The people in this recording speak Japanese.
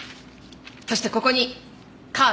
そしてここにカード。